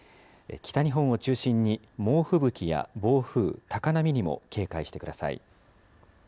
北日本を中心に、猛吹雪や暴風、高波にも警戒してください。